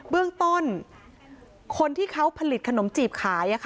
เบื้องต้นคนที่เขาผลิตขนมจีบขาย